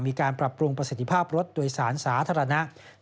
มีการปรับปรุงประสิทธิภาพรถโดยสารสาธารณะให้ปลอดภัย